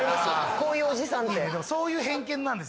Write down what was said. こういうおじさんっていいねそういう偏見なんです